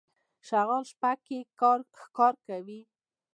شغال شپه کې ښکار کوي.